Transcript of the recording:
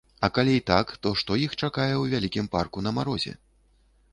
А калі і так, то што іх чакае ў вялікім парку на марозе?